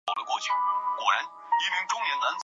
贝克的音乐生涯始于教堂合唱团。